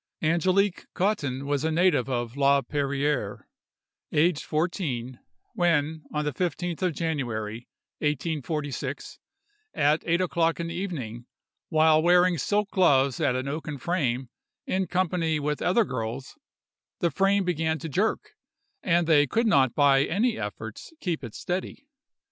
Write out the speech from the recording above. Angelique Cottin was a native of La Perriere, aged fourteen, when, on the 15th of January, 1846, at eight o'clock in the evening, while weaving silk gloves at an oaken frame, in company with other girls, the frame began to jerk, and they could not by any efforts keep it steady.